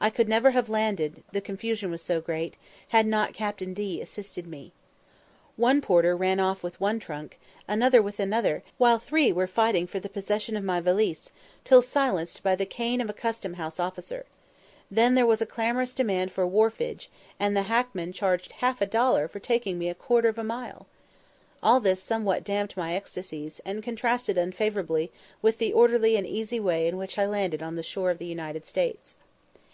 I could never have landed, the confusion was so great, had not Captain D assisted me. One porter ran off with one trunk, another with another, while three were fighting for the possession of my valise, till silenced by the cane of a custom house officer. Then there was a clamorous demand for "wharfage," and the hackman charged half a dollar for taking me a quarter of a mile. All this somewhat damped my ecstacies, and contrasted unfavourably with the orderly and easy way in which I landed on the shore of the United States.